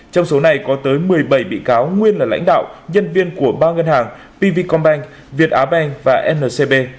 trong số này có tới một mươi bảy bị cáo nguyên là lãnh đạo nhân viên của ba ngân hàng pv combin việt á banh và ncb